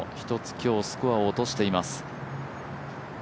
今日、スコアを落としています。